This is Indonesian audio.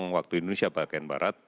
waktu indonesia bagian barat